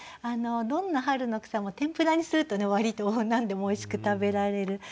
どんな春の草も天ぷらにすると割と何でもおいしく食べられる。